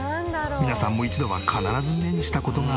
皆さんも一度は必ず目にした事があるはず。